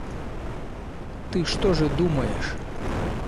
Ты что же думаешь?